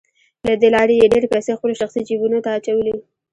له دې لارې يې ډېرې پيسې خپلو شخصي جيبونو ته اچولې.